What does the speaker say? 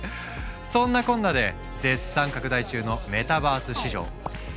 そんなこんなで絶賛拡大中のメタバース市場。